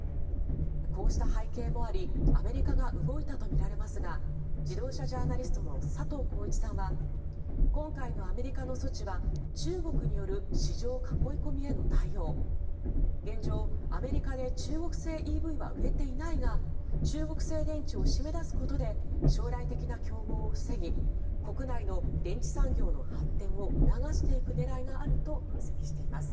こうした背景もありアメリカが動いたとみられますが自動車ジャーナリストの佐藤耕一さんは今回のアメリカの措置は中国による市場囲い込みへの対応現状、アメリカで中国製ＥＶは売れていないが中国製電池を締め出すことで将来的な競合を防ぎ国内の電池産業の発展を促していく狙いがあると分析しています。